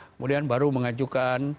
kemudian baru mengajukan